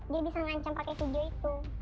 dia bisa mengancam pakai video itu